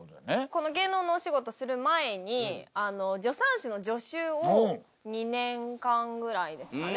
この芸能のお仕事する前に。を２年間ぐらいですかね。